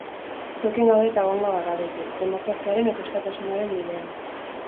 Zuekin gaude eta egongo gara beti, demokraziaren eta askatasunaren bidean.